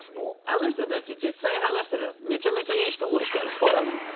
あの人たち実際に話したらめちゃめちゃいい人多いからね。